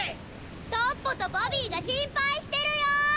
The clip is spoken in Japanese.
トッポとボビーが心配してるよ！